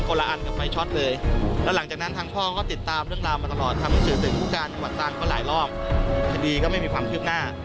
ก็ส่งไปผ่าที่โรงพยาบาลมิธริเวศ